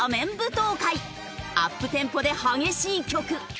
アップテンポで激しい曲。